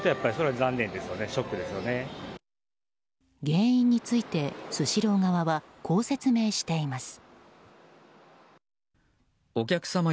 原因についてスシロー側はこう説明しています。